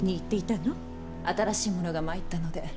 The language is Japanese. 新しい者が参ったので。